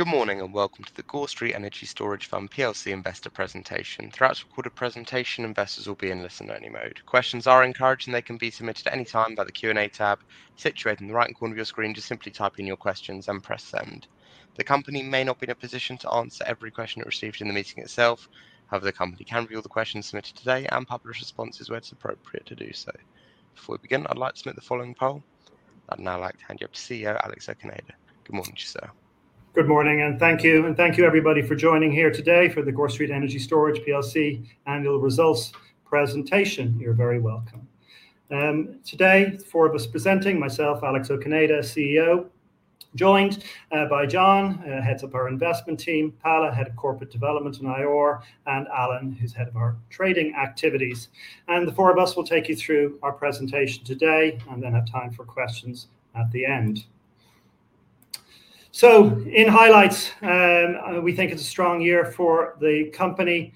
Good morning and welcome to the Gore Street Energy Storage Fund PLC Investor Presentation. Throughout the recorded presentation, investors will be in listener-only mode. Questions are encouraged and they can be submitted at any time by the Q&A tab situated in the right corner of your screen. Just simply type in your questions and press send. The company may not be in a position to answer every question it receives in the meeting itself. However, the company can view all the questions submitted today and publish responses where it's appropriate to do so. Before we begin, I'd like to submit the following poll. I'd now like to hand you up to CEO Alex O'Cinneide. Good morning to you, sir. Good morning and thank you, and thank you everybody for joining here today for the Gore Street Energy Storage Fund PLC Annual Results Presentation. You're very welcome. Today, four of us presenting: myself, Alex O'Cinneide, CEO, joined by John, Head of our Investment Team, Paula, Head of Corporate Development and IOR, and Alan, who's Head of our Trading Activities. The four of us will take you through our presentation today and then have time for questions at the end. In highlights, we think it's a strong year for the company.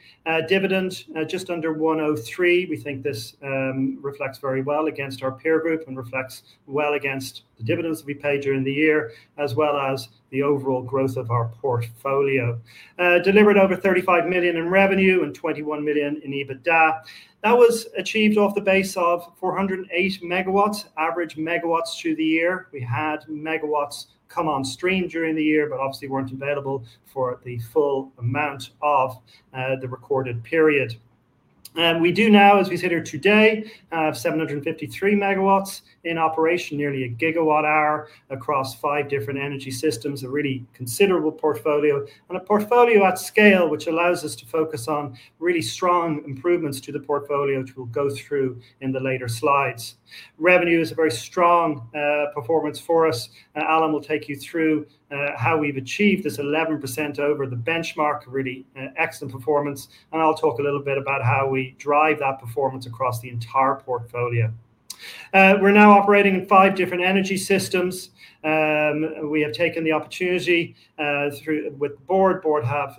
Dividend just under 1.03. We think this reflects very well against our peer group and reflects well against the dividends that we paid during the year, as well as the overall growth of our portfolio. Delivered over 35 million in revenue and 21 million in EBITDA. That was achieved off the base of 408 MW average megawatts through the year. We had megawatts come on stream during the year, but obviously weren't available for the full amount of the recorded period. We do now, as we sit here today, have 753 MW in operation, nearly 1 GWh across five different energy systems, a really considerable portfolio, and a portfolio at scale which allows us to focus on really strong improvements to the portfolio which we'll go through in the later slides. Revenue is a very strong performance for us. Alan will take you through how we've achieved this 11% over the benchmark, a really excellent performance, and I'll talk a little bit about how we drive that performance across the entire portfolio. We're now operating in five different energy systems. We have taken the opportunity with the board. The board has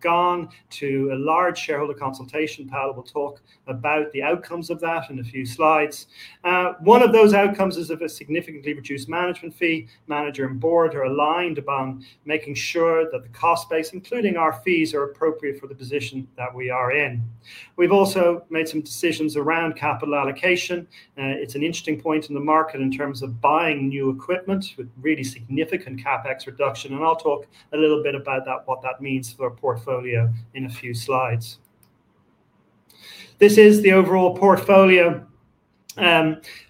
gone to a large shareholder consultation. Paula will talk about the outcomes of that in a few slides. One of those outcomes is of a significantly reduced management fee. Manager and board are aligned upon making sure that the cost base, including our fees, are appropriate for the position that we are in. We've also made some decisions around capital allocation. It's an interesting point in the market in terms of buying new equipment with really significant CapEx reduction, and I'll talk a little bit about what that means for our portfolio in a few slides. This is the overall portfolio.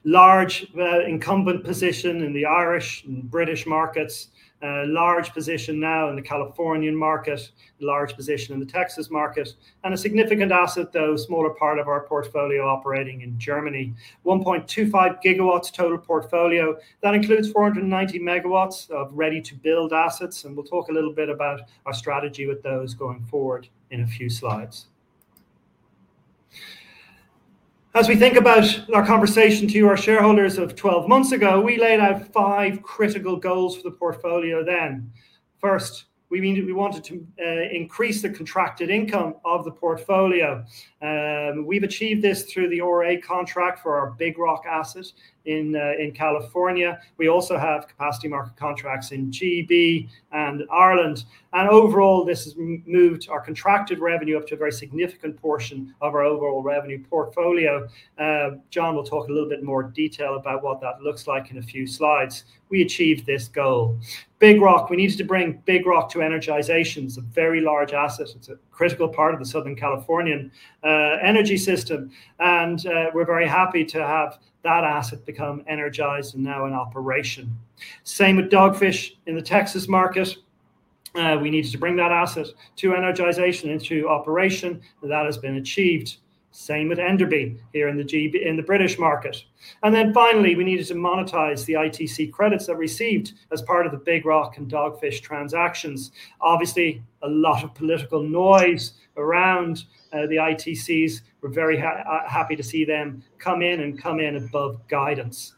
Large incumbent position in the Irish and British markets, a large position now in the Californian market, a large position in the Texas market, and a significant asset, though a smaller part of our portfolio operating in Germany. 1.25 GW total portfolio. That includes 490 MWof ready-to-build assets, and we'll talk a little bit about our strategy with those going forward in a few slides. As we think about our conversation to our shareholders of 12 months ago, we laid out five critical goals for the portfolio then. First, we wanted to increase the contracted income of the portfolio. We've achieved this through the ORA contract for our Big Rock asset in California. We also have capacity market contracts in G.B. and Ireland, and overall this has moved our contracted revenue up to a very significant portion of our overall revenue portfolio. John will talk a little bit more detail about what that looks like in a few slides. We achieved this goal. Big Rock, we needed to bring Big Rock to energization. It's a very large asset. It's a critical part of the Southern Californian energy system, and we're very happy to have that asset become energized and now in operation. Same with Dogfish in the Texas market. We needed to bring that asset to energization and into operation, and that has been achieved. Same with Enderby here in the British market. Finally, we needed to monetize the ITC credits that were received as part of the Big Rock and Dogfish transactions. Obviously, a lot of political noise around the investment ITCs. We're very happy to see them come in and come in above guidance.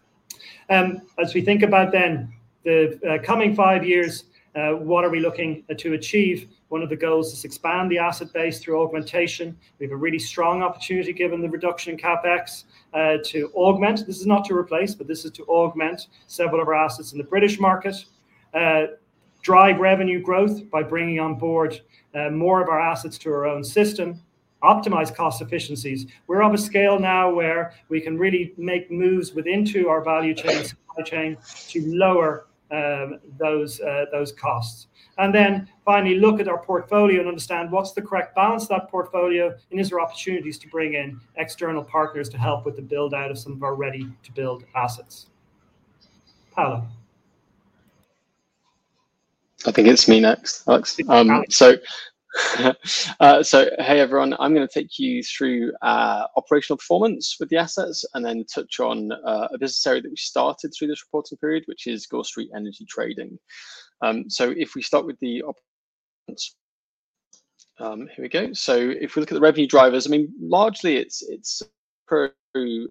As we think about then the coming five years, what are we looking to achieve? One of the goals is to expand the asset base through augmentation. We have a really strong opportunity given the reduction in CapEx to augment. This is not to replace, but this is to augment several of our assets in the British market. Drive revenue growth by bringing on board more of our assets to our own system. Optimize cost efficiencies. We're of a scale now where we can really make moves within our value chain to lower those costs. Finally, look at our portfolio and understand what's the correct balance of that portfolio and is there opportunities to bring in external partners to help with the build-out of some of our ready-to-build assets. Paula. I think it's me next, Alex. Yeah. Hey everyone, I'm going to take you through operational performance with the assets and then touch on a business area that we started through this reporting period, which is Gore Street Energy Trading. If we look at the revenue drivers, I mean, largely it's pro-environment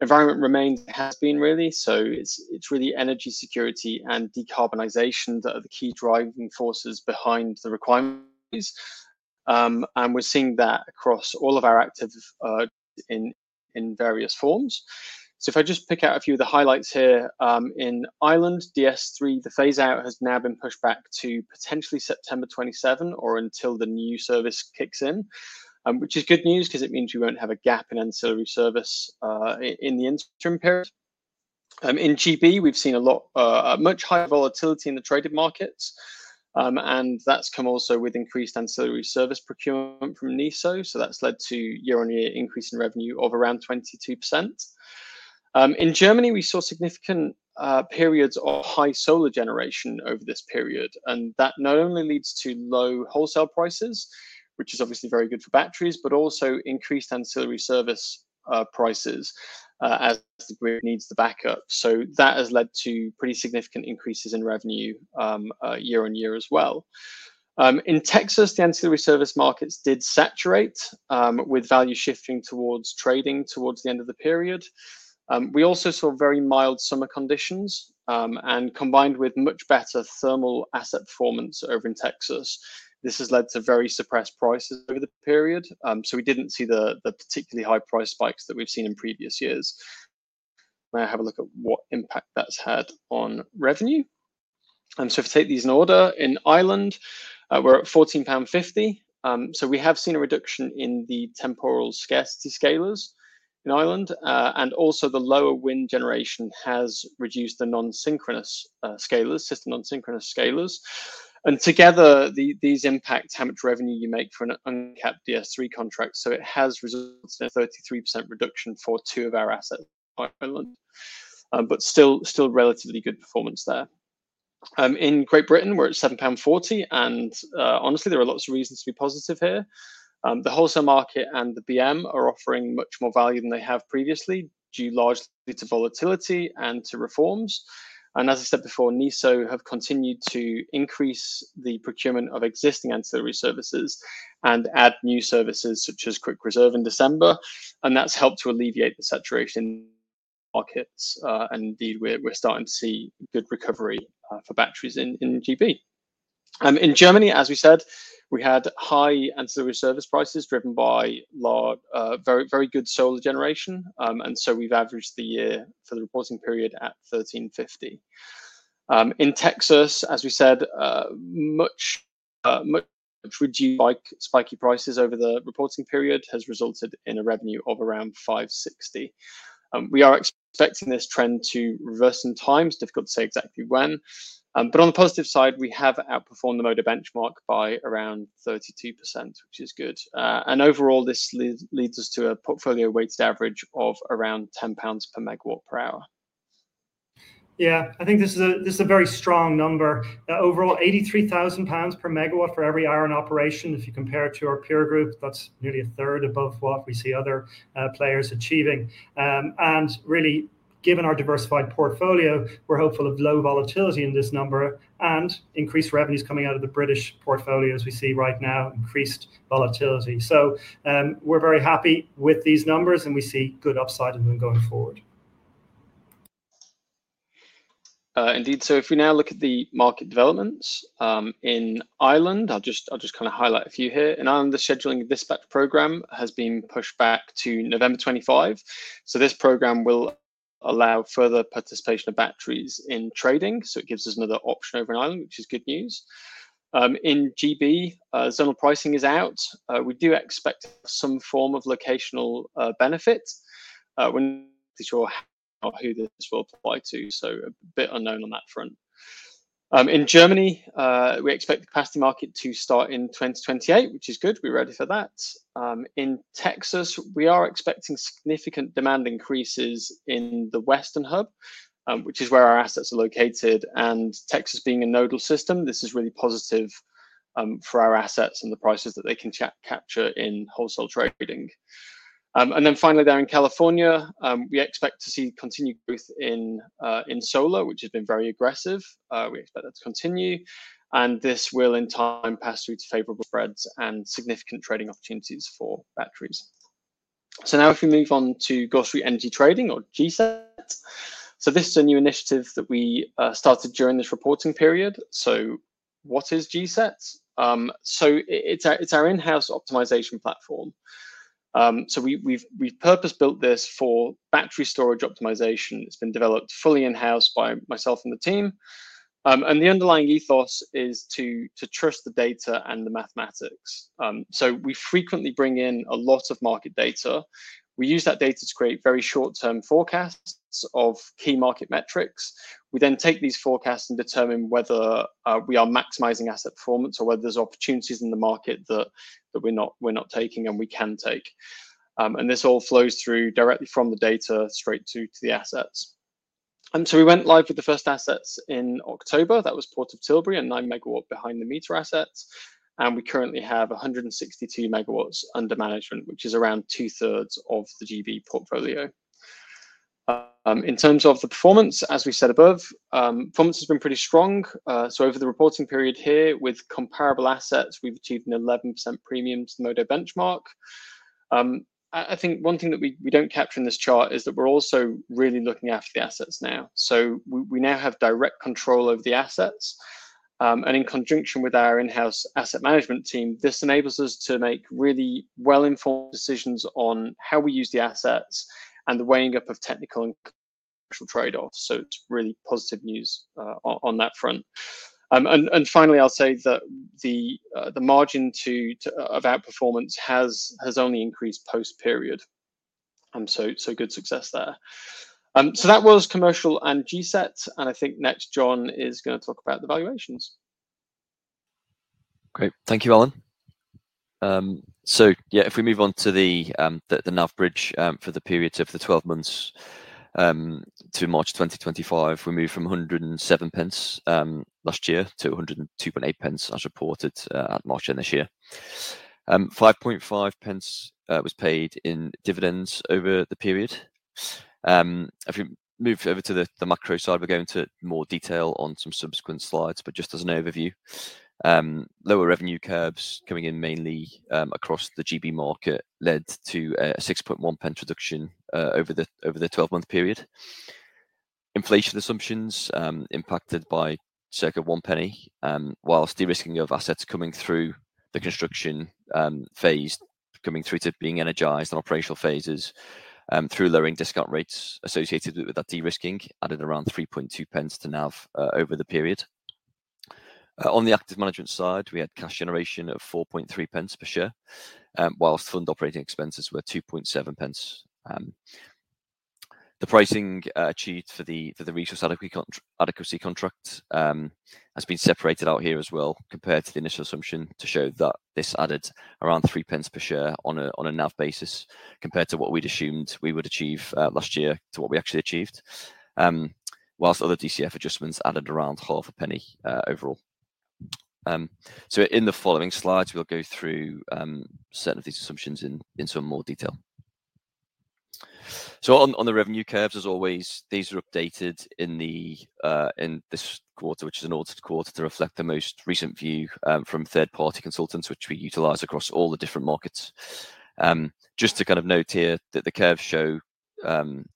remains and has been really. It's really energy security and decarbonization that are the key driving forces behind the requirements, and we're seeing that across all of our activities in various forms. If I just pick out a few of the highlights here, in Ireland, the phase-out has now been pushed back to potentially September 2027 or until the new service kicks in, which is good news because it means we won't have a gap in unsettled service in the interim period. In G.B., we've seen a lot of much higher volatility in the traded markets, and that's come also with increased ancillary service procurement from NESO, so that's led to year-on-year increase in revenue of around 22%. In Germany, we saw significant periods of high solar generation over this period, and that not only leads to low wholesale prices, which is obviously very good for batteries, but also increased ancillary service prices as the grid needs the backup. That has led to pretty significant increases in revenue year-on-year as well. In Texas, the ancillary service markets did saturate with value shifting towards trading towards the end of the period. We also saw very mild summer conditions and combined with much better thermal asset performance over in Texas. This has led to very suppressed prices over the period, so we didn't see the particularly high price spikes that we've seen in previous years. May I have a look at what impact that's had on revenue? If I take these in order, in Ireland, we're at 14.50 pound. We have seen a reduction in the temporal scarcity scalers in Ireland, and also the lower wind generation has reduced the non-synchronous scalers, system non-synchronous scalers, and together these impact how much revenue you make for an uncapped DS3 contract. It has resulted in a 33% reduction for two of our assets, but still relatively good performance there. In Great Britain, we're at 7.40 pound, and honestly, there are lots of reasons to be positive here. The wholesale market and the BM are offering much more value than they have previously due largely to volatility and to reforms, and as I said before, NESO have continued to increase the procurement of existing ancillary services and add new services such as Quick Reserve in December, and that's helped to alleviate the saturation in markets, and indeed we're starting to see good recovery for batteries in G.B. In Germany, as we said, we had high ancillary service prices driven by very good solar generation, and so we've averaged the year for the reporting period at 13.50. In Texas, as we said, much reduced spiky prices over the reporting period has resulted in a revenue of around 5.60. We are expecting this trend to reverse in time. It's difficult to say exactly when, but on the positive side, we have outperformed the market benchmark by around 32%, which is good, and overall this leads us to a portfolio weighted average of around 10 pounds per megawatt per hour. Yeah, I think this is a very strong number. Overall, 83,000 pounds per megawatt for every hour in operation. If you compare it to our peer group, that's nearly a third above what we see other players achieving, and really given our diversified portfolio, we're hopeful of low volatility in this number and increased revenues coming out of the British portfolio as we see right now increased volatility. We're very happy with these numbers, and we see good upside in them going forward. Indeed. If we now look at the market developments, in Ireland, I'll just kind of highlight a few here. In Ireland, the scheduling dispatch program has been pushed back to November 25. This program will allow further participation of batteries in trading, so it gives us another option over in Ireland, which is good news. In GB, zonal pricing is out. We do expect some form of locational benefit. We're not sure who this will apply to, so a bit unknown on that front. In Germany, we expect the capacity market to start in 2028, which is good. We're ready for that. In Texas, we are expecting significant demand increases in the western hub, which is where our assets are located, and Texas being a nodal system, this is really positive for our assets and the prices that they can capture in wholesale trading. Finally, in California, we expect to see continued growth in solar, which has been very aggressive. We expect that to continue, and this will in time pass through to favorable threads and significant trading opportunities for batteries. If we move on to Gore Street Energy Trading or GSET, this is a new initiative that we started during this reporting period. What is GSET? It's our in-house optimization platform. We've purpose-built this for battery storage optimization. It's been developed fully in-house by myself and the team, and the underlying ethos is to trust the data and the mathematics. We frequently bring in a lot of market data. We use that data to create very short-term forecasts of key market metrics. We then take these forecasts and determine whether we are maximizing asset performance or whether there's opportunities in the market that we're not taking and we can take, and this all flows through directly from the data straight to the assets. We went live with the first assets in October. That was Port of Tilbury and 9 MW behind the meter assets, and we currently have 162 MW under management, which is around two-thirds of the G.B. portfolio. In terms of the performance, as we said above, performance has been pretty strong. Over the reporting period here with comparable assets, we've achieved an 11% premium to the market benchmark. I think one thing that we don't capture in this chart is that we're also really looking after the assets now. We now have direct control over the assets, and in conjunction with our in-house asset management team, this enables us to make really well-informed decisions on how we use the assets and the weighing up of technical and commercial trade-offs. It's really positive news on that front. Finally, I'll say that the margin of outperformance has only increased post-period, and good success there. That was commercial and GSET, and I think next John is going to talk about the valuations. Great, thank you, Alan. If we move on to the NAV Bridge for the period of the 12 months to March 2025, we moved from 1.07 last year to 1.028 as reported at margin this year. 0.055 was paid in dividends over the period. If we move over to the macro side, we'll go into more detail on some subsequent slides, but just as an overview, lower revenue curves coming in mainly across the G.B. market led to a 0.061 reduction over the 12-month period. Inflation assumptions impacted by circa 0.01, whilst de-risking of assets coming through the construction phase, coming through to being energized and operational phases through lowering discount rates associated with that de-risking added around 0.032 to NAV over the period. On the active management side, we had cash generation of 0.043 per share, whilst fund operating expenses were 0.027. The pricing achieved for the resource adequacy contract has been separated out here as well compared to the initial assumption to show that this added around 0.03 per share on a NAV basis compared to what we'd assumed we would achieve last year to what we actually achieved, whilst other DCF adjustments added around GBP 0.005 overall. In the following slides, we'll go through certain of these assumptions in some more detail. On the revenue curves, as always, these are updated in this quarter, which is an audited quarter to reflect the most recent view from third-party consultants, which we utilize across all the different markets. Just to note here that the curves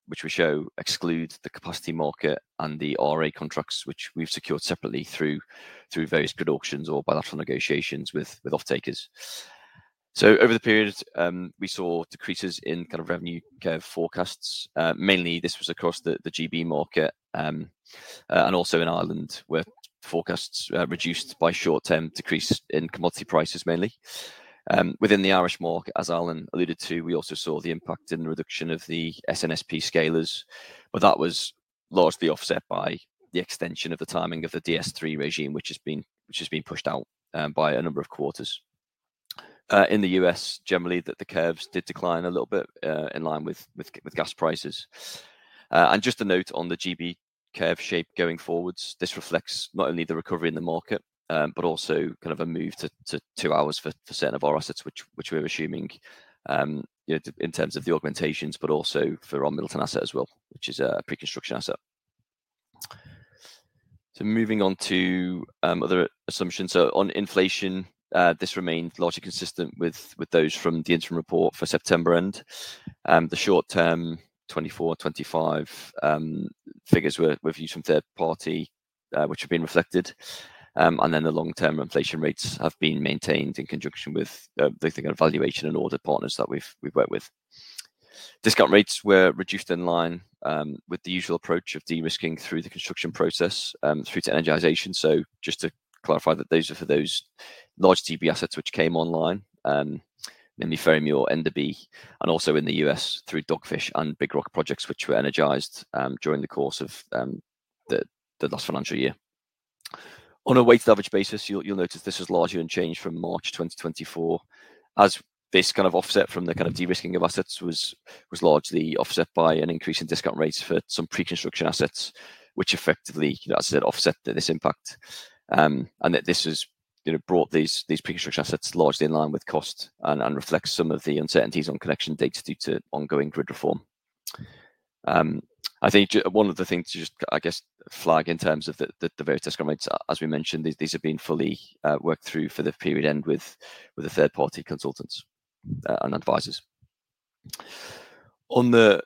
which we show exclude the capacity market and the RA contracts, which we've secured separately through various good auctions or bilateral negotiations with off-takers. Over the period, we saw decreases in revenue curve forecasts. Mainly, this was across the G.B. market and also in Ireland, where forecasts reduced by short-term decrease in commodity prices mainly. Within the Irish market, as Alan alluded to, we also saw the impact in the reduction of the SNSP scalers, but that was largely offset by the extension of the timing of the DS3 regime, which has been pushed out by a number of quarters. In the U.S., generally, the curves did decline a little bit in line with gas prices. Just a note on the G.B. curve shape going forwards, this reflects not only the recovery in the market, but also kind of a move to 2 hours for certain of our assets, which we're assuming in terms of the augmentations, but also for our Middleton asset as well, which is a pre-construction asset. Moving on to other assumptions. On inflation, this remained largely consistent with those from the interim report for September and the short-term 24-25 figures were viewed from third party, which have been reflected. The long-term inflation rates have been maintained in conjunction with both the kind of valuation and audit partners that we've worked with. Discount rates were reduced in line with the usual approach of de-risking through the construction process through to energization. Just to clarify, those are for those large G.B. assets which came online, mainly Ferrymuir and Enderby, and also in the U.S. through Dogfish and Big Rock projects, which were energized during the course of the last financial year. On a weighted average basis, you'll notice this was larger in change from March 2024, as this kind of offset from the kind of de-risking of assets was largely offset by an increase in discount rates for some pre-construction assets, which effectively, as I said, offset this impact. This has brought these pre-construction assets largely in line with cost and reflects some of the uncertainties on connection dates due to ongoing grid reform. One of the things to flag in terms of the various discount rates, as we mentioned, these have been fully worked through for the period end with the third-party consultants and advisors. On the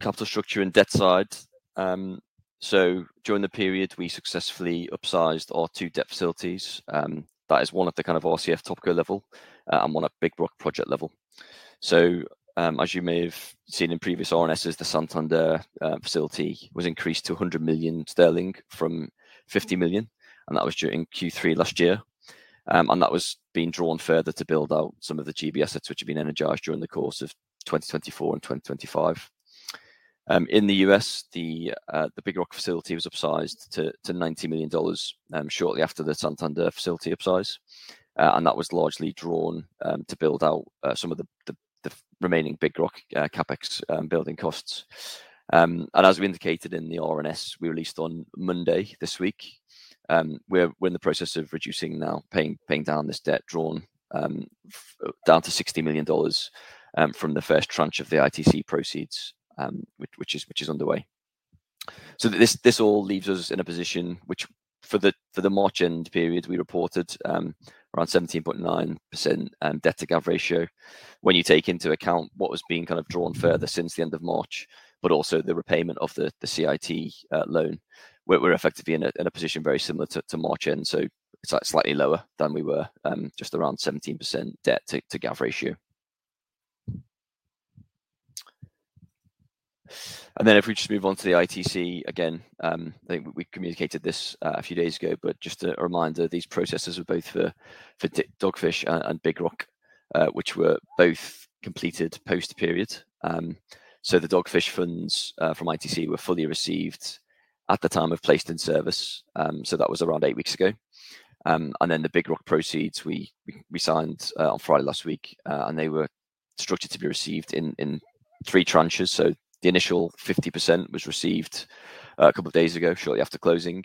capital structure and debt side, during the period, we successfully upsized our two debt facilities. That is one at the RCF top-tier level and one at Big Rock project level. As you may have seen in previous RNSs, the Santander facility was increased to 100 million sterling from 50 million, and that was during Q3 last year. That was being drawn further to build out some of the G.B. assets which have been energized during the course of 2024 and 2025. In the U.S., the Big Rock facility was upsized to $90 million shortly after the Santander facility upsize, and that was largely drawn to build out some of the remaining Big Rock CapEx building costs. As we indicated in the R&S we released on Monday this week, we're in the process of reducing now, paying down this debt drawn down to $60 million from the first tranche of the ITC proceeds, which is underway. This all leaves us in a position which for the March end period we reported around 17.9% debt to gap ratio when you take into account what was being kind of drawn further since the end of March, but also the repayment of the CIT loan. We're effectively in a position very similar to March end, so it's slightly lower than we were, just around 17% debt to gap ratio. If we just move on to the ITC again, I think we communicated this a few days ago, but just a reminder, these processes were both for Dogfish and Big Rock, which were both completed post-period. The Dogfish funds from ITC were fully received at the time of placed in service, so that was around eight weeks ago. The Big Rock proceeds we signed on Friday last week, and they were structured to be received in three tranches. The initial 50% was received a couple of days ago shortly after closing,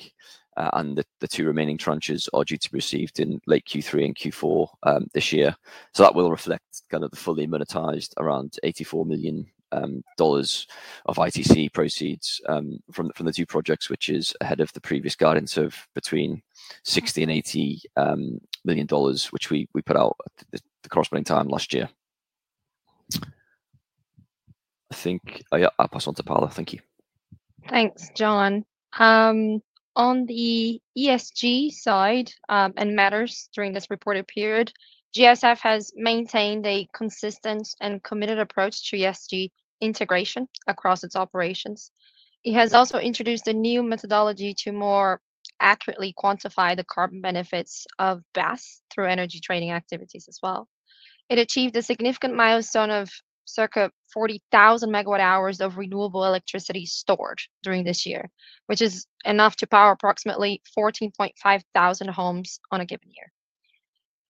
and the two remaining tranches are due to be received in late Q3 and Q4 this year. That will reflect kind of the fully monetized around $84 million of ITC proceeds from the two projects, which is ahead of the previous guidance of between $60 million and $80 million, which we put out at the corresponding time last year. I think I'll pass on to Paula. Thank you. Thanks, John. On the ESG side and matters during this reported period, GSF has maintained a consistent and committed approach to ESG integration across its operations. It has also introduced a new methodology to more accurately quantify the carbon benefits of BAS through energy trading activities as well. It achieved a significant milestone of circa 40,000 MWh of renewable electricity stored during this year, which is enough to power approximately 14,500 homes in a given year.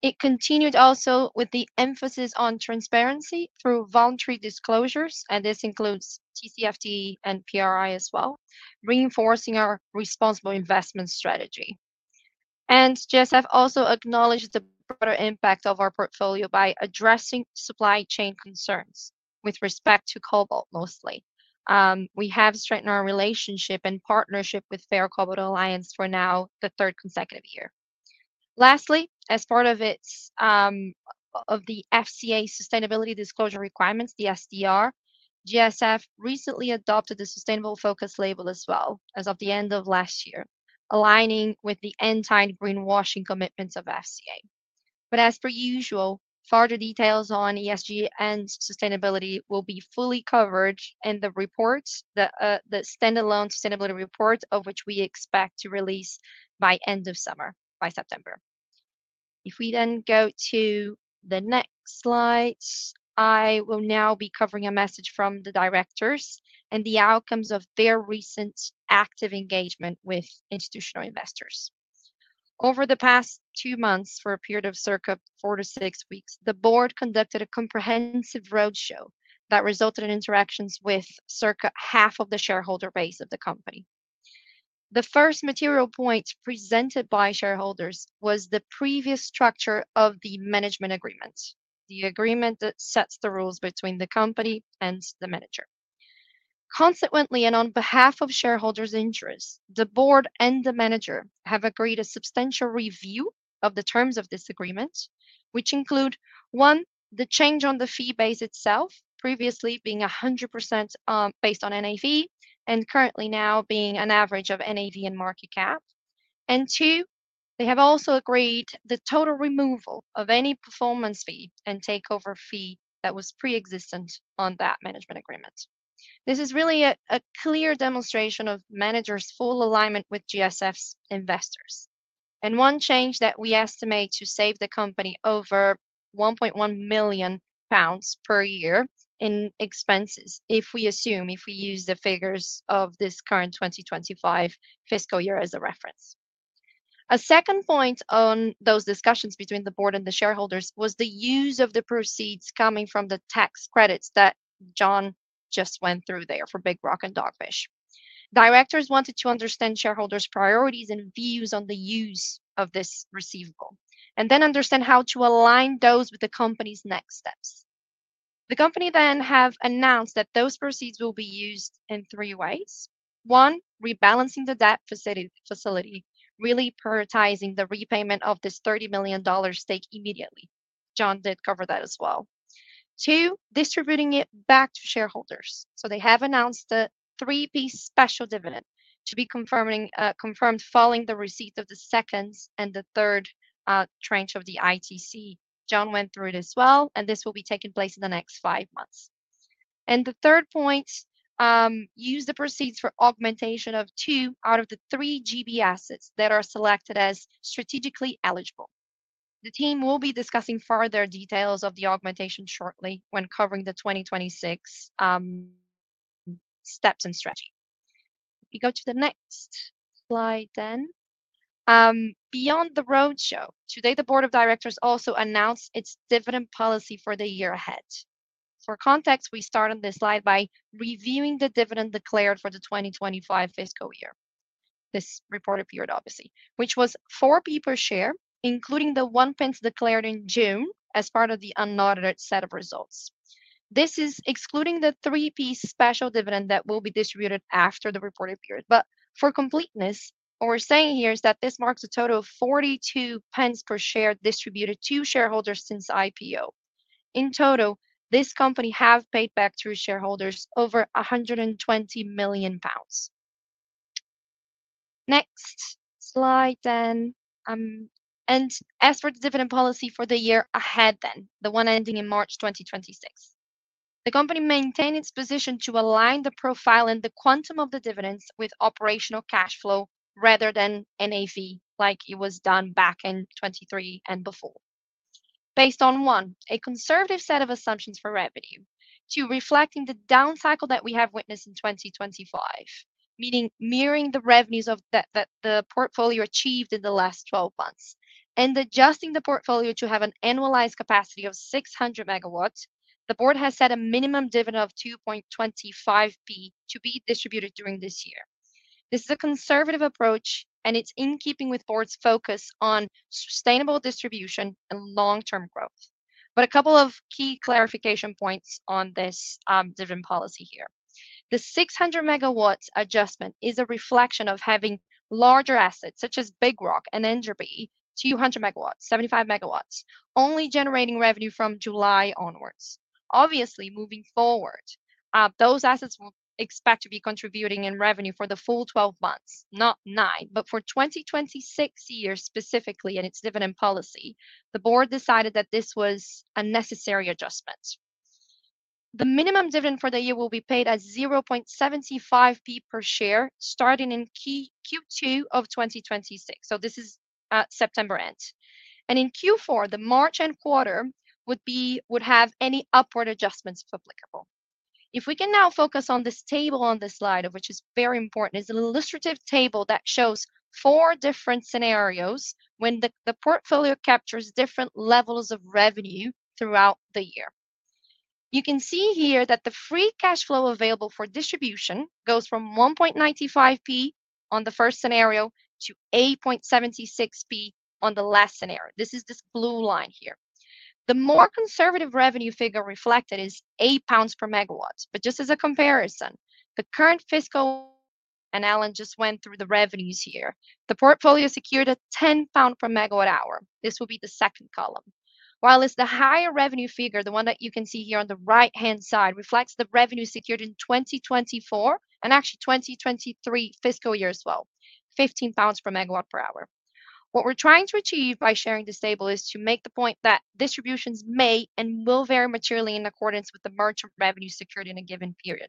It continued also with the emphasis on transparency through voluntary disclosures, and this includes TCFD and PRI as well, reinforcing our responsible investment strategy. GSF also acknowledged the broader impact of our portfolio by addressing supply chain concerns with respect to cobalt mostly. We have strengthened our relationship and partnership with Fair Cobalt Alliance for now the third consecutive year. Lastly, as part of the FCA sustainability disclosure requirements, the SDR, GSF recently adopted the sustainable focus label as well as of the end of last year, aligning with the end-time greenwashing commitments of FCA. Further details on ESG and sustainability will be fully covered in the reports, the standalone sustainability reports of which we expect to release by end of summer, by September. If we then go to the next slide, I will now be covering a message from the directors and the outcomes of their recent active engagement with institutional investors. Over the past two months, for a period of circa four to six weeks, the board conducted a comprehensive roadshow that resulted in interactions with circa half of the shareholder base of the company. The first material point presented by shareholders was the previous structure of the management agreement, the agreement that sets the rules between the company and the manager. Consequently, and on behalf of shareholders' interests, the board and the manager have agreed a substantial review of the terms of this agreement, which include one, the change on the fee base itself, previously being 100% based on NAV and currently now being an average of NAV and market cap. Two, they have also agreed the total removal of any performance fee and takeover fee that was pre-existent on that management agreement. This is really a clear demonstration of managers' full alignment with GSF's investors. One change that we estimate to save the company over 1.1 million pounds per year in expenses if we assume, if we use the figures of this current 2025 fiscal year as a reference. A second point on those discussions between the board and the shareholders was the use of the proceeds coming from the tax credits that John just went through there for Big Rock and Dogfish. Directors wanted to understand shareholders' priorities and views on the use of this receivable and then understand how to align those with the company's next steps. The company then has announced that those proceeds will be used in three ways. One, rebalancing the debt facility, really prioritizing the repayment of this $30 million stake immediately. John did cover that as well. Two, distributing it back to shareholders. They have announced a three-piece special dividend to be confirmed following the receipt of the second and the third tranche of the ITC. John went through it as well, and this will be taking place in the next five months. The third point, use the proceeds for augmentation of two out of the three G.B. assets that are selected as strategically eligible. The team will be discussing further details of the augmentation shortly when covering the 2026 steps and strategy. If we go to the next slide then, beyond the roadshow, today the Board of Directors also announced its dividend policy for the year ahead. For context, we start on this slide by reviewing the dividend declared for the 2025 fiscal year. This reported period, obviously, which was 0.04 per share, including the 0.01 declared in June as part of the unaudited set of results. This is excluding the three-piece special dividend that will be distributed after the reported period. For completeness, what we're saying here is that this marks a total of 0.42 per share distributed to shareholders since IPO. In total, this company has paid back to shareholders over 120 million pounds. Next slide then, and as for the dividend policy for the year ahead then, the one ending in March 2026, the company maintains its position to align the profile and the quantum of the dividends with operational cash flow rather than NAV like it was done back in 2023 and before. Based on one, a conservative set of assumptions for revenue, two, reflecting the down cycle that we have witnessed in 2025, meaning mirroring the revenues that the portfolio achieved in the last 12 months, and adjusting the portfolio to have an annualized capacity of 600 MW, the board has set a minimum dividend of 0.0225 to be distributed during this year. This is a conservative approach, and it's in keeping with the board's focus on sustainable distribution and long-term growth. A couple of key clarification points on this dividend policy here. The 600 MW adjustment is a reflection of having larger assets such as Big Rock and Enderby, 200 MW, 75 MW, only generating revenue from July onwards. Obviously, moving forward, those assets will expect to be contributing in revenue for the full 12 months, not nine, but for 2026 year specifically in its dividend policy, the board decided that this was a necessary adjustment. The minimum dividend for the year will be paid at 0.0075 per share starting in Q2 of 2026. This is September end. In Q4, the March end quarter would have any upward adjustments if applicable. If we can now focus on this table on this slide, which is very important, it is an illustrative table that shows four different scenarios when the portfolio captures different levels of revenue throughout the year. You can see here that the free cash flow available for distribution goes from 0.0195 on the first scenario to 0.0876 on the last scenario. This is this blue line here. The more conservative revenue figure reflected is 8 pounds per megawatt. Just as a comparison, the current fiscal, and Alan just went through the revenues here, the portfolio secured a 10 pound per megawatt hour. This will be the second column. While it's the higher revenue figure, the one that you can see here on the right-hand side reflects the revenue secured in 2024 and actually 2023 fiscal year as well, 15 pounds per megawatt per hour. What we're trying to achieve by sharing this table is to make the point that distributions may and will vary materially in accordance with the margin of revenue secured in a given period.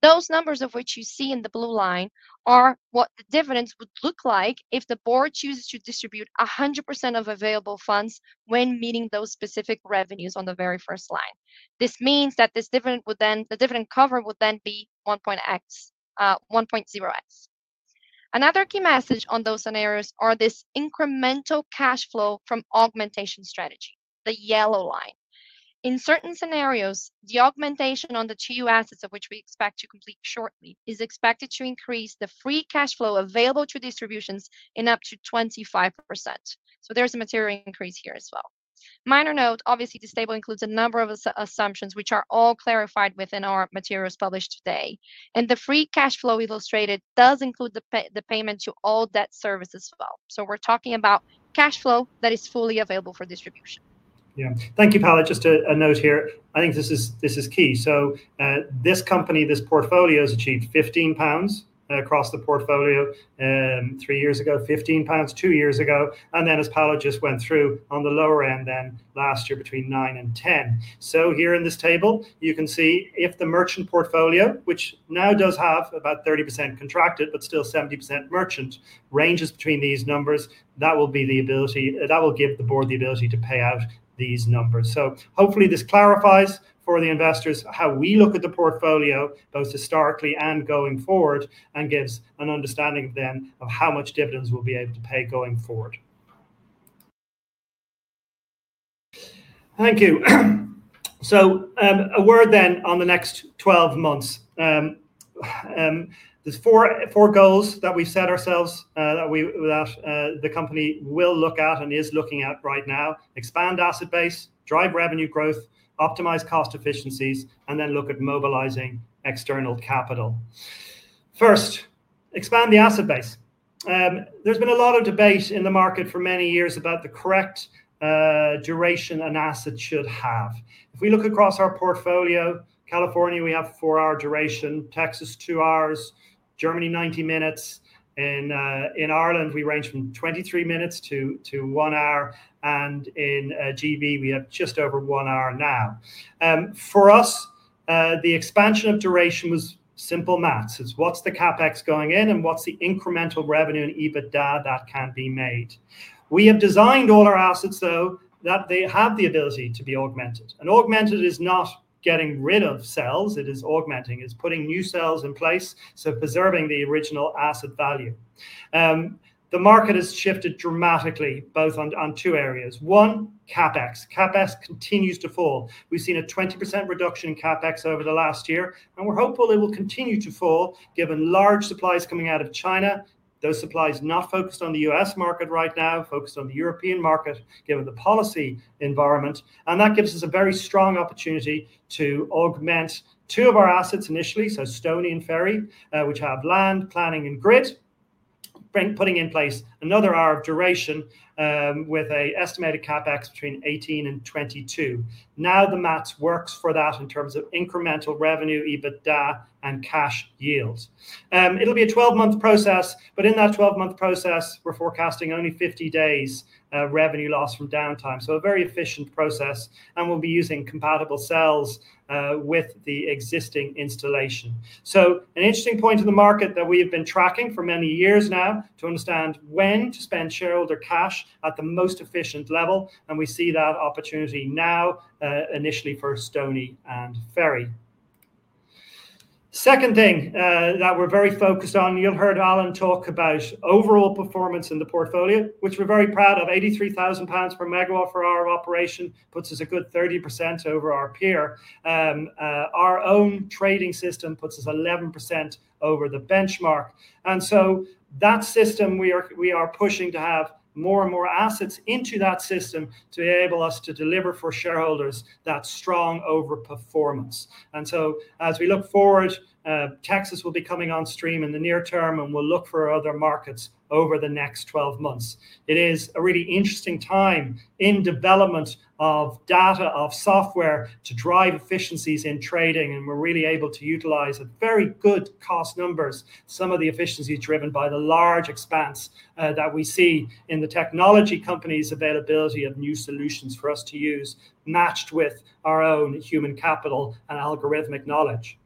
Those numbers of which you see in the blue line are what the dividends would look like if the board chooses to distribute 100% of available funds when meeting those specific revenues on the very first line. This means that this dividend would then, the dividend cover would then be 1.0x. Another key message on those scenarios is this incremental cash flow from augmentation strategy, the yellow line. In certain scenarios, the augmentation on the two assets of which we expect to complete shortly is expected to increase the free cash flow available to distributions in up to 25%. There's a material increase here as well. Minor note, obviously this table includes a number of assumptions which are all clarified within our materials published today, and the free cash flow illustrated does include the payment to all debt services as well. We're talking about cash flow that is fully available for distribution. Thank you, Paula. Just a note here, I think this is key. This company, this portfolio has achieved 15 pounds across the portfolio three years ago, 15 pounds two years ago, and then as Paula just went through on the lower end last year between 9 and 10. Here in this table, you can see if the merchant portfolio, which now does have about 30% contracted but still 70% merchant, ranges between these numbers, that will give the board the ability to pay out these numbers. Hopefully this clarifies for the investors how we look at the portfolio both historically and going forward and gives an understanding of how much dividends we'll be able to pay going forward. Thank you. A word then on the next 12 months. There are four goals that we've set ourselves that the company will look at and is looking at right now: expand asset base, drive revenue growth, optimize cost efficiencies, and look at mobilizing external capital. First, expand the asset base. There has been a lot of debate in the market for many years about the correct duration an asset should have. If we look across our portfolio, California, we have a four-hour duration, Texas two hours, Germany 90 minutes, and in Ireland we range from 23 minutes to one hour, and in G.B. we have just over one hour now. For us, the expansion of duration was simple math. It's what's the CapEx going in and what's the incremental revenue in EBITDA that can be made. We have designed all our assets so that they have the ability to be augmented. Augmented is not getting rid of cells, it is augmenting, it's putting new cells in place, so preserving the original asset value. The market has shifted dramatically on two areas. One, CapEx. CapEx continues to fall. We've seen a 20% reduction in CapEx over the last year, and we're hopeful it will continue to fall given large supplies coming out of China, those supplies not focused on the U.S. market right now, focused on the European market given the policy environment, and that gives us a very strong opportunity to augment two of our assets initially, so Stony and Ferry, which have land, planning, and grid, putting in place another hour of duration with an estimated CapEx between 18 million and 22 million. The math works for that in terms of incremental revenue, EBITDA, and cash yields. It'll be a 12-month process, but in that 12-month process, we're forecasting only 50 days revenue loss from downtime, so a very efficient process, and we'll be using compatible cells with the existing installation. An interesting point in the market that we have been tracking for many years now is to understand when to spend shareholder cash at the most efficient level, and we see that opportunity now initially for Stony and Ferry. The second thing that we're very focused on, you'll hear Alan talk about overall performance in the portfolio, which we're very proud of, 83,000 pounds per megawatt for our operation puts us a good 30% over our peer. Our own trading system puts us 11% over the benchmark, and that system we are pushing to have more and more assets into to enable us to deliver for shareholders that strong overperformance. As we look forward, Texas will be coming on stream in the near term and we'll look for other markets over the next 12 months. It is a really interesting time in development of data, of software to drive efficiencies in trading, and we're really able to utilize very good cost numbers, some of the efficiency driven by the large expanse that we see in the technology companies' availability of new solutions for us to use matched with our own human capital and algorithmic knowledge.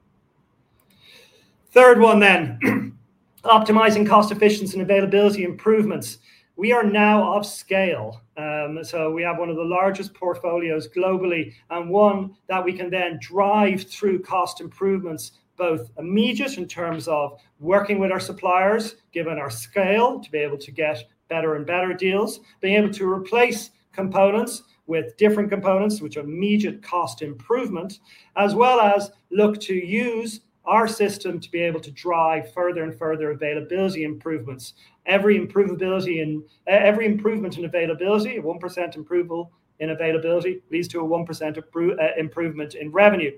The third one then, optimizing cost efficiency and availability improvements. We are now off scale, so we have one of the largest portfolios globally and one that we can then drive through cost improvements both immediate in terms of working with our suppliers given our scale to be able to get better and better deals, being able to replace components with different components which are immediate cost improvement, as well as look to use our system to be able to drive further and further availability improvements. Every improvement in availability, a 1% improval in availability leads to a 1% improvement in revenue.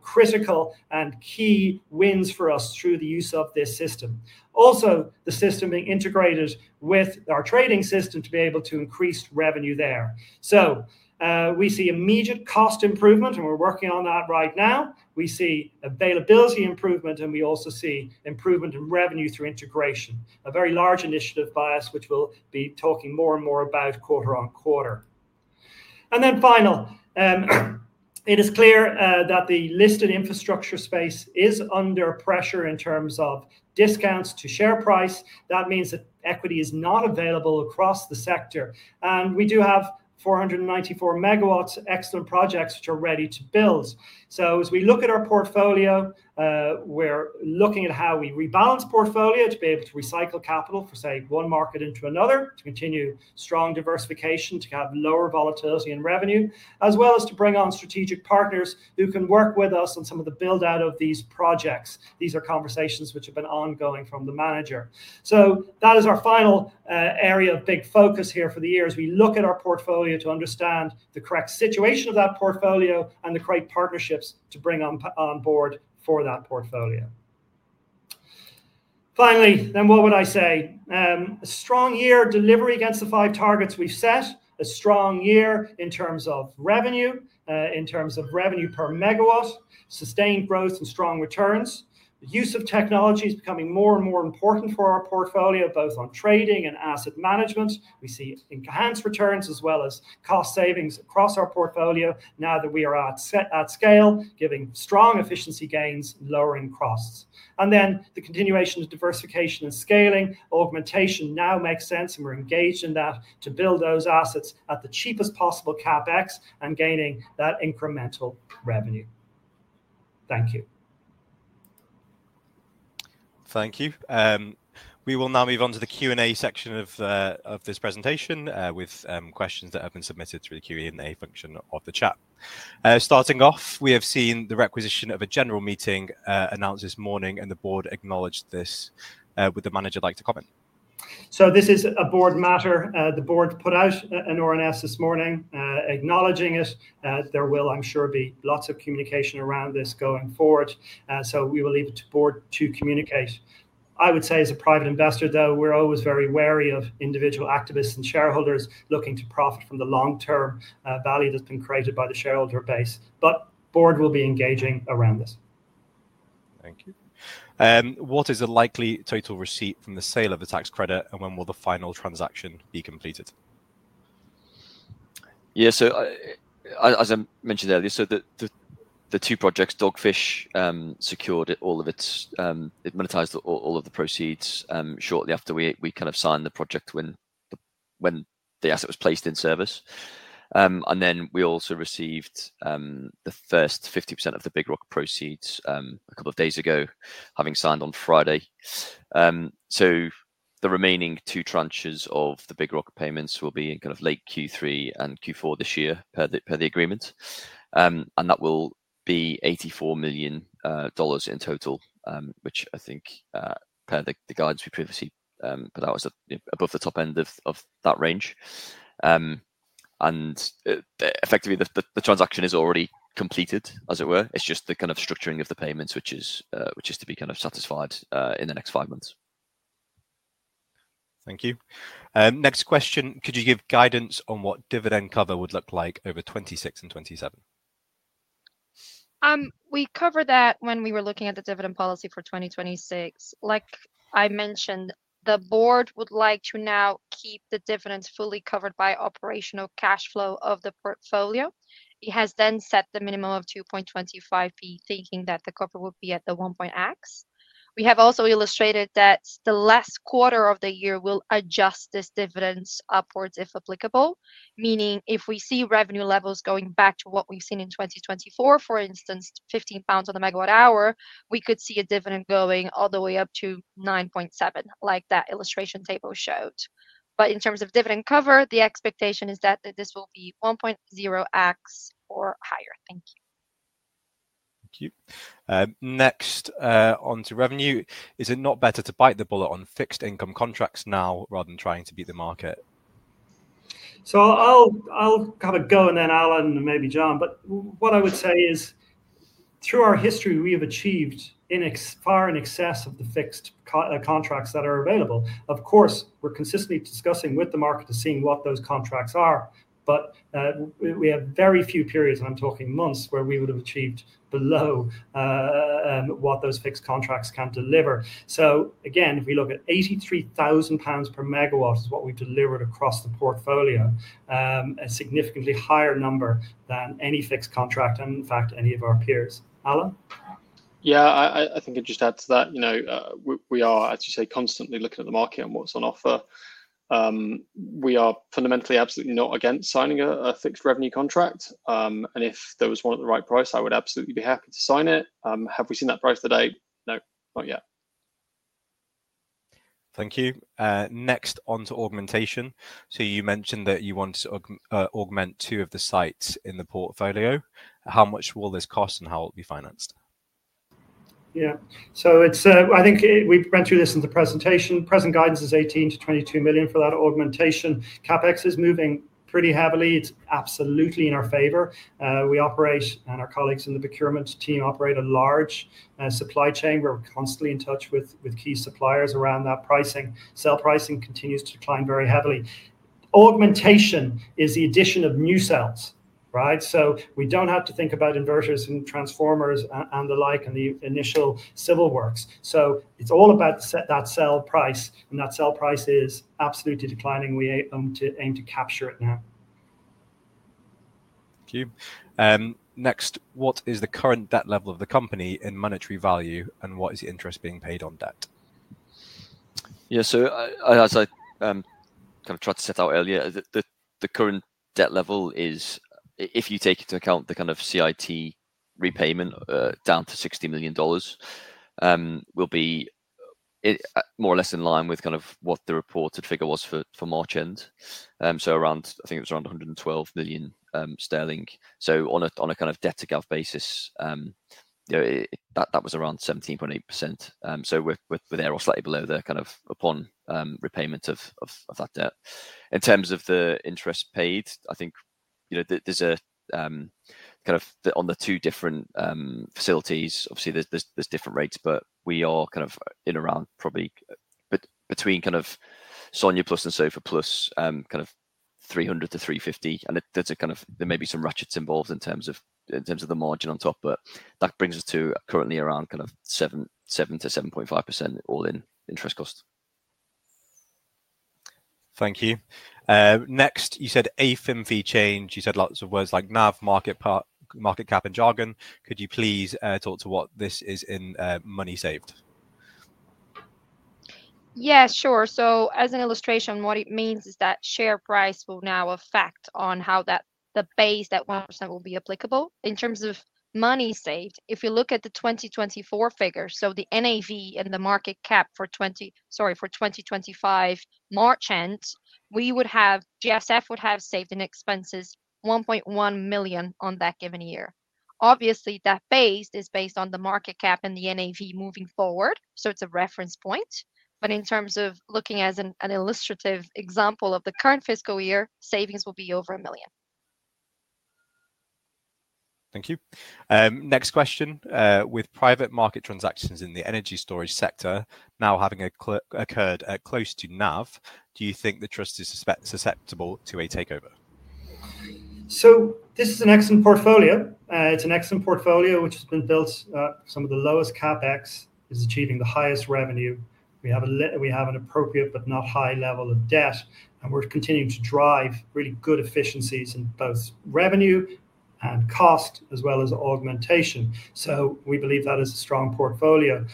Critical and key wins for us through the use of this system. Also, the system being integrated with our trading system to be able to increase revenue there. We see immediate cost improvement and we're working on that right now. We see availability improvement and we also see improvement in revenue through integration, a very large initiative by us which we'll be talking more and more about quarter on quarter. Finally, it is clear that the listed infrastructure space is under pressure in terms of discounts to share price. That means that equity is not available across the sector, and we do have 494 MW of excellent projects which are ready to build. As we look at our portfolio, we're looking at how we rebalance portfolio to be able to recycle capital for, say, one market into another, to continue strong diversification, to have lower volatility in revenue, as well as to bring on strategic partners who can work with us on some of the build-out of these projects. These are conversations which have been ongoing from the manager. That is our final area of big focus here for the year as we look at our portfolio to understand the correct situation of that portfolio and the correct partnerships to bring on board for that portfolio. Finally, what would I say? A strong year delivery against the five targets we've set, a strong year in terms of revenue, in terms of revenue per megawatt, sustained growth, and strong returns. The use of technology is becoming more and more important for our portfolio both on trading and asset management. We see enhanced returns as well as cost savings across our portfolio now that we are at scale, giving strong efficiency gains, lowering costs. The continuation of diversification and scaling, augmentation now makes sense and we're engaged in that to build those assets at the cheapest possible CapEx and gaining that incremental revenue. Thank you. Thank you. We will now move on to the Q&A section of this presentation with questions that have been submitted through the Q&A function of the chat. Starting off, we have seen the requisition of a general meeting announced this morning, and the board acknowledged this. Would the manager like to comment? This is a board matter. The board put out an RNS this morning acknowledging it. There will, I'm sure, be lots of communication around this going forward, so we will leave it to the board to communicate. I would say as a private investor, though, we're always very wary of individual activists and shareholders looking to profit from the long-term value that's been created by the shareholder base, but the board will be engaging around this. Thank you. What is the likely total receipt from the sale of the tax credit and when will the final transaction be completed? Yeah, as I mentioned earlier, the two projects, Dogfish secured all of its, it monetized all of the proceeds shortly after we kind of signed the project when the asset was placed in service. We also received the first 50% of the Big Rock proceeds a couple of days ago, having signed on Friday. The remaining two tranches of the Big Rock payments will be in late Q3 and Q4 this year per the agreement, and that will be $84 million in total, which I think per the guidance we previously put out was above the top end of that range. Effectively, the transaction is already completed, as it were. It's just the structuring of the payments, which is to be satisfied in the next five months. Thank you. Next question, could you give guidance on what dividend cover would look like over 2026 and 2027? We covered that when we were looking at the dividend policy for 2026. Like I mentioned, the Board would like to now keep the dividends fully covered by operational cash flow of the portfolio. It has then set the minimum of 0.0225, thinking that the cover would be at the 1.0x. We have also illustrated that the last quarter of the year will adjust this dividend upwards if applicable, meaning if we see revenue levels going back to what we've seen in 2024, for instance, 15 pounds on the megawatt hour, we could see a dividend going all the way up to 0.097, like that illustration table showed. In terms of dividend cover, the expectation is that this will be 1.0x or higher. Thank you. Next, onto revenue, is it not better to bite the bullet on fixed income contracts now rather than trying to beat the market? I'll have a go and then Alan and maybe John, but what I would say is through our history, we have achieved far in excess of the fixed contracts that are available. Of course, we're consistently discussing with the market to see what those contracts are, but we have very few periods, and I'm talking months, where we would have achieved below what those fixed contracts can deliver. Again, if we look at 83,000 pounds per megawatt is what we've delivered across the portfolio, a significantly higher number than any fixed contract and in fact, any of our peers. Alan? Yeah, I think I'd just add to that. You know, we are, as you say, constantly looking at the market and what's on offer. We are fundamentally absolutely not against signing a fixed revenue contract, and if there was one at the right price, I would absolutely be happy to sign it. Have we seen that price today? No, not yet. Thank you. Next, onto augmentation. You mentioned that you want to augment two of the sites in the portfolio. How much will this cost and how will it be financed? Yeah, I think we went through this in the presentation. Present guidance is $18 million-$22 million for that augmentation. CapEx is moving pretty heavily. It's absolutely in our favor. We operate, and our colleagues in the procurement team operate, a large supply chain. We're constantly in touch with key suppliers around that pricing. Cell pricing continues to decline very heavily. Augmentation is the addition of new cells, right? We don't have to think about inverters and transformers and the initial civil works. It's all about that cell price, and that cell price is absolutely declining. We aim to capture it now. Thank you. Next, what is the current debt level of the company in monetary value, and what is the interest being paid on debt? Yeah, as I kind of tried to set out earlier, the current debt level is, if you take into account the kind of CIT repayment down to $60 million, will be more or less in line with what the reported figure was for March end. Around, I think it was around 112 million sterling. On a debt to gap basis, that was around 17.8%. We're there or slightly below there upon repayment of that debt. In terms of the interest paid, there's a kind of on the two different facilities, obviously there's different rates, but we are in around probably between SONIA Plus and SOFR Plus, kind of 300 basis points-350 basis points, and there may be some ratchets involved in terms of the margin on top, but that brings us to currently around 7%-7.5% all in interest cost. Thank you. Next, you said AFIM fee change. You said lots of words like NAV, market cap, and jargon. Could you please talk to what this is in money saved? Yeah, sure. As an illustration, what it means is that share price will now affect how that the base that 1% will be applicable. In terms of money saved, if you look at the 2024 figures, the NAV and the market cap for 2025 March end, GSF would have saved in expenses 1.1 million on that given year. Obviously, that base is based on the market cap and the NAV moving forward, so it's a reference point. In terms of looking as an illustrative example of the current fiscal year, savings will be over 1 million. Thank you. Next question, with private market transactions in the energy storage sector now having occurred close to NAV, do you think the trust is susceptible to a takeover? This is an excellent portfolio. It's an excellent portfolio which has been built. Some of the lowest CapEx is achieving the highest revenue. We have an appropriate but not high level of debt, and we're continuing to drive really good efficiencies in both revenue and cost as well as augmentation. We believe that is a strong portfolio.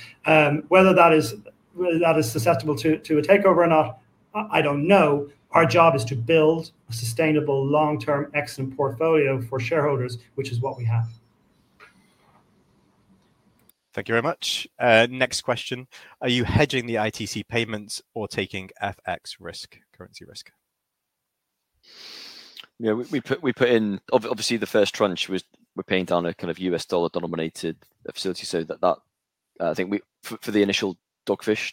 Whether that is susceptible to a takeover or not, I don't know. Our job is to build a sustainable long-term excellent portfolio for shareholders, which is what we have. Thank you very much. Next question, are you hedging the investment tax credit payments or taking FX risk, currency risk? Yeah, we put in, obviously the first tranche was we're paying down a kind of U.S. dollar denominated facility. I think for the initial Dogfish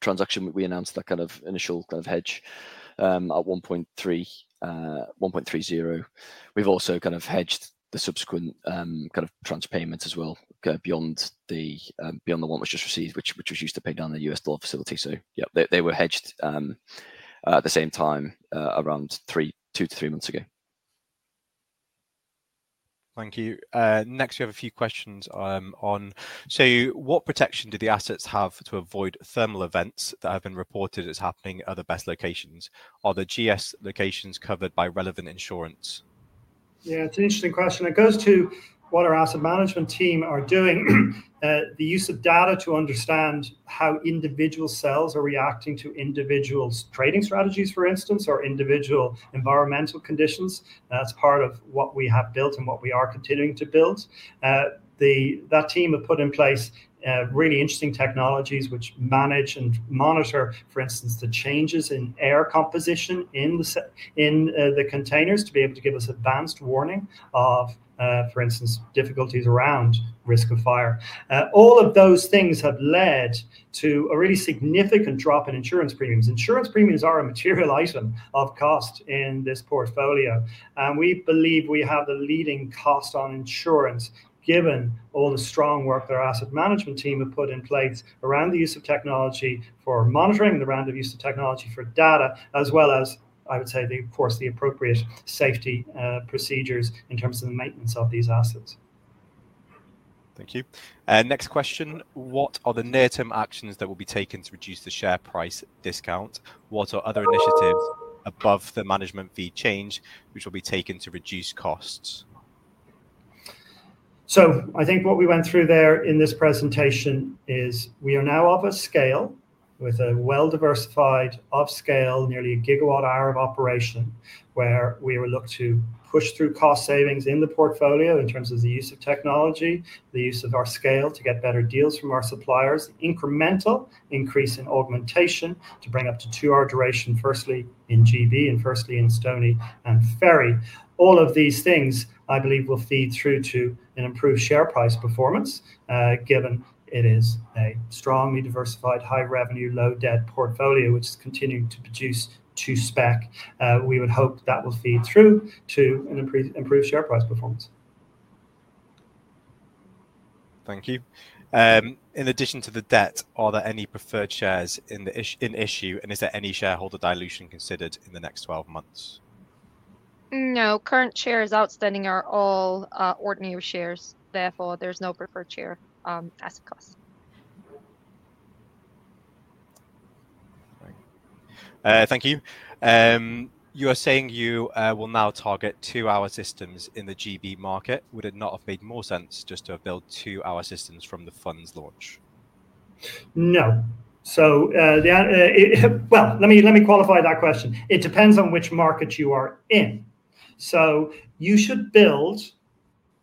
transaction, we announced that kind of initial kind of hedge at 1.30. We've also kind of hedged the subsequent kind of tranche payment as well, kind of beyond the one that was just received, which was used to pay down the U.S. dollar facility. They were hedged at the same time around two to three months ago. Thank you. Next, we have a few questions on, what protection do the assets have to avoid thermal events that have been reported as happening at other BESS locations? Are the GS locations covered by relevant insurance? Yeah, it's an interesting question. It goes to what our asset management team are doing, the use of data to understand how individual cells are reacting to individual trading strategies, for instance, or individual environmental conditions. That's part of what we have built and what we are continuing to build. That team have put in place really interesting technologies which manage and monitor, for instance, the changes in air composition in the containers to be able to give us advanced warning of, for instance, difficulties around risk of fire. All of those things have led to a really significant drop in insurance premiums. Insurance premiums are a material item of cost in this portfolio, and we believe we have the leading cost on insurance given all the strong work that our asset management team have put in place around the use of technology for monitoring and around the use of technology for data, as well as, I would say, of course, the appropriate safety procedures in terms of the maintenance of these assets. Thank you. Next question, what are the near-term actions that will be taken to reduce the share price discount? What are other initiatives above the management fee change which will be taken to reduce costs? I think what we went through there in this presentation is we are now off a scale with a well-diversified, off-scale, nearly a gigawatt hour of operation where we will look to push through cost savings in the portfolio in terms of the use of technology, the use of our scale to get better deals from our suppliers, incremental increase in augmentation to bring up to two-hour duration, firstly in G.B. and firstly in Stony and Ferry. All of these things, I believe, will feed through to an improved share price performance given it is a strongly diversified, high-revenue, low-debt portfolio which is continuing to produce to spec. We would hope that that will feed through to an improved share price performance. Thank you. In addition to the debt, are there any preferred shares in issue, and is there any shareholder dilution considered in the next 12 months? No, current shares outstanding are all ordinary shares. Therefore, there's no preferred share asset class. Thank you. You are saying you will now target two-hour systems in the G.B. market. Would it not have made more sense just to build two-hour systems from the fund's launch? No. Let me qualify that question. It depends on which market you are in. You should build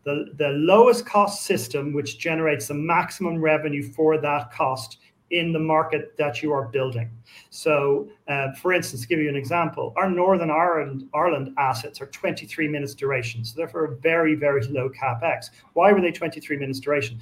the lowest cost system which generates the maximum revenue for that cost in the market that you are building. For instance, give you an example, our Northern Ireland assets are 23 minutes duration. Therefore, a very, very low CapEx. Why were they 23 minutes duration?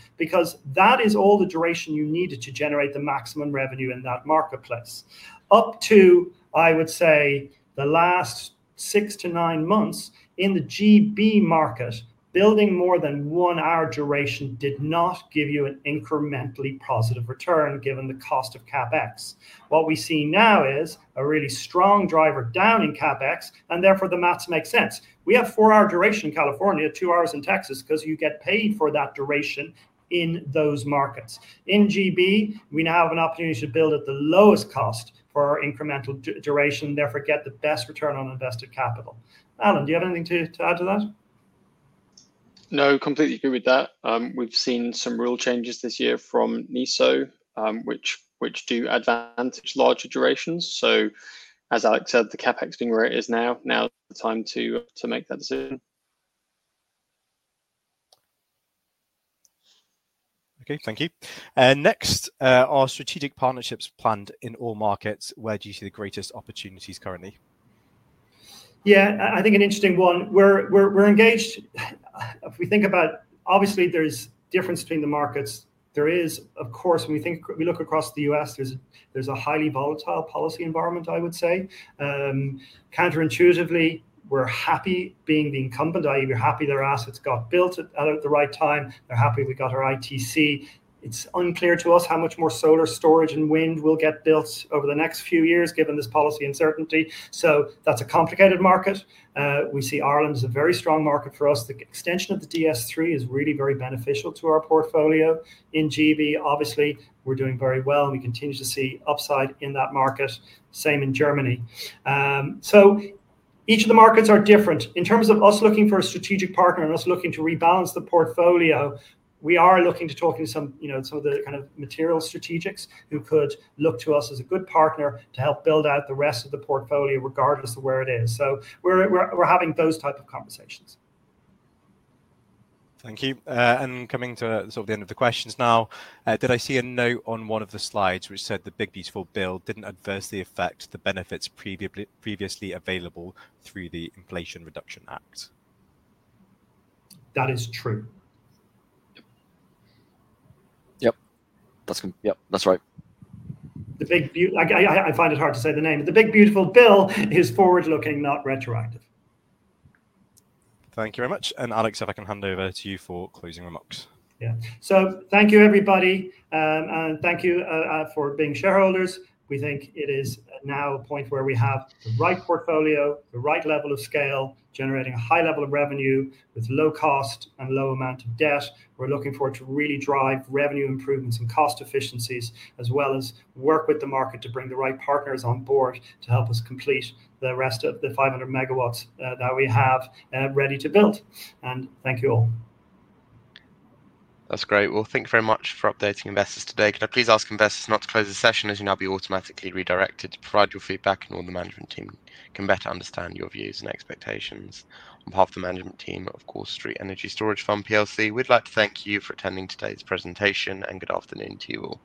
That is all the duration you needed to generate the maximum revenue in that marketplace. Up to, I would say, the last six to nine months in the G.B. market, building more than one-hour duration did not give you an incrementally positive return given the cost of CapEx. What we see now is a really strong driver down in CapEx and therefore the math makes sense. We have four-hour duration in California, two hours in Texas because you get paid for that duration in those markets. In G.B., we now have an opportunity to build at the lowest cost for our incremental duration, therefore get the best return on invested capital. Alan, do you have anything to add to that? No, completely agree with that. We've seen some rule changes this year from NESO, which do advantage larger durations. As Alex said, the CapEx being rated is now, now the time to make that decision. Okay, thank you. Next, are strategic partnerships planned in all markets? Where do you see the greatest opportunities currently? Yeah, I think an interesting one. We're engaged. If we think about, obviously, there's a difference between the markets. There is, of course, when we think we look across the U.S., there's a highly volatile policy environment, I would say. Counterintuitively, we're happy being the incumbent, i.e., we're happy their assets got built at the right time. They're happy we got our ITC. It's unclear to us how much more solar storage and wind will get built over the next few years given this policy uncertainty. That's a complicated market. We see Ireland is a very strong market for us. The extension of the DS3 is really very beneficial to our portfolio. In G.B., obviously, we're doing very well and we continue to see upside in that market. Same in Germany. Each of the markets are different. In terms of us looking for a strategic partner and us looking to rebalance the portfolio, we are looking to talk to some of the kind of material strategics who could look to us as a good partner to help build out the rest of the portfolio regardless of where it is. We're having those types of conversations. Thank you. Coming to sort of the end of the questions now, did I see a note on one of the slides which said the Big Beautiful Bill didn't adversely affect the benefits previously available through the Inflation Reduction Act? That is true. Yep. That's fine. Yep, that's right. I find it hard to say the name. The Big Beautiful Bill is forward-looking, not retroactive. Thank you very much. Alex, if I can hand over to you for closing remarks. Thank you everybody, and thank you for being shareholders. We think it is now a point where we have the right portfolio, the right level of scale, generating a high level of revenue with low cost and low amount of debt. We're looking forward to really drive revenue improvements and cost efficiencies, as well as work with the market to bring the right partners on board to help us complete the rest of the 500 MW that we have ready to build. Thank you all. That's great. Thank you very much for updating investors today. Could I please ask investors not to close the session as you will now be automatically redirected to provide your feedback so the management team can better understand your views and expectations. On behalf of the management team of Gore Street Energy Storage Fund PLC, we'd like to thank you for attending today's presentation and good afternoon to you all.